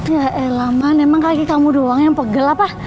ya elah man emang kaki kamu doang yang pegel apa